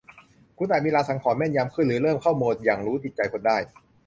คุณอาจมีลางสังหรณ์แม่นยำขึ้นหรือเริ่มเข้าโหมดหยั่งรู้จิตใจคนได้